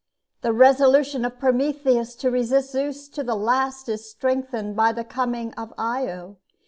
The resolution of Prometheus to resist Zeus to the last is strengthened by the coming of Io.